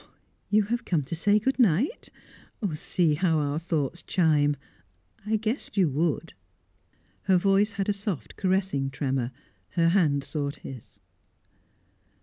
"You have come to say good night? See how our thoughts chime; I guessed you would." Her voice had a soft, caressing tremor; her hand sought his.